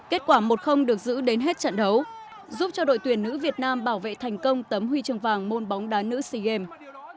kết quả một được giữ đến hết trận đấu giúp cho đội tuyển nữ việt nam bảo vệ thành công tấm huy chương vàng môn bóng đá nữ sea games